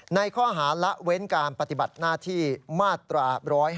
ในข้อหาละเว้นการปฏิบัติหน้าที่มาตรา๑๕